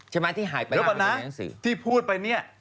เดี๋ยวป่ะนะที่พูดไปเนี่ย